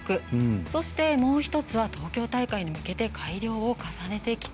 そして、もう１つは東京大会に向けて改良を重ねてきたもの。